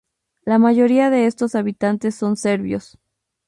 La mayoría de estos habitantes son serbios.